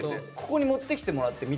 ここに持ってきてもらって見たい。